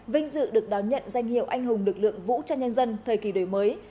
vinh dự được đón nhận danh hiệu anh hùng lực lượng vũ cho nhân dân thời kỳ đời mới